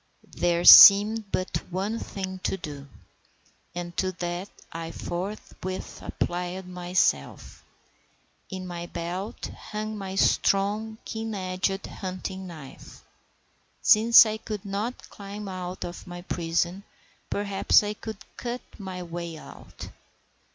There seemed but one thing to do, and to that I forthwith applied myself. In my belt hung my strong, keen edged hunting knife. Since I could not climb out of my prison, perhaps I could cut my way out.